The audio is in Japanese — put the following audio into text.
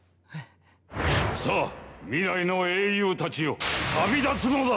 さあ未来の英雄たちよ旅立つのだ。